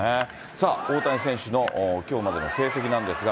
さあ、大谷選手のきょうまでの成績なんですが。